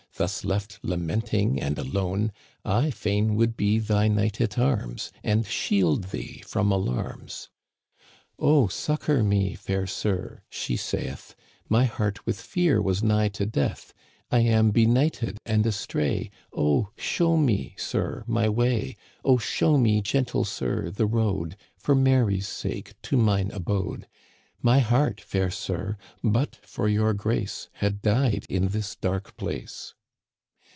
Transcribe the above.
Thus left lamenting and alone, I fain would be thy knight at arms. And shield thee from alarms." " Oh, succor me, fair sir," she saith, My heart with fear was nigh to death, I am benighted and astray. Oh, show me, sir, my way ! Oh, show me, gentle sir, the road. For Mary's sake, to mine abode. My heart, fair sir. but for your grace, Had died in this dark place."